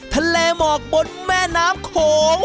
ทะเลหมอกบนแม่น้ำโขง